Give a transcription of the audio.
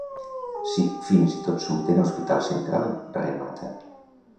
Si fins i tot surten a “Hospital Central” —remata.